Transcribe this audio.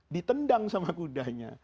ditendang sama kudanya